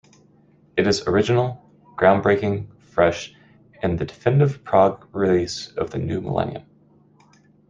It is original, ground-breaking, fresh, and the definitive prog release of the new millennium.